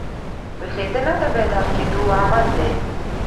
ویښېدنه د بیدار کېدو عمل دئ.